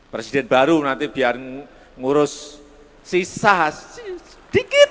presiden baru nanti biar ngurus sisa hasil sedikit